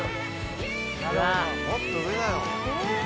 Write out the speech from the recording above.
もっと上だよ。